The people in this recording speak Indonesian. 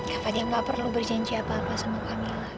kak fadil nggak perlu berjanji apa apa sama kamila